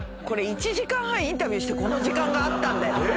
これ１時間半インタビューしてこの時間があったんだよ。